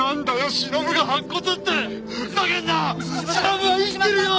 忍は生きてるよ！